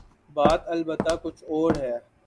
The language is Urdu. بات البتہ کچھ اور ہے۔